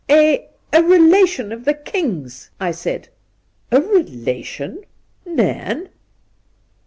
A — a relation of the king's, I said.' ' A relation I Nairn